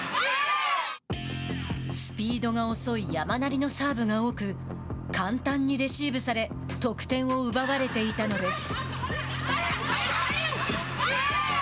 スピードが遅い山なりのサーブが多く簡単にレシーブされ得点を奪われていたのです。